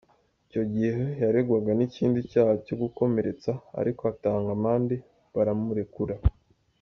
Icyo gihe yaregwaga n’ikindi cyaha cyo gukomeretsa ariko atanga amande baramurekura.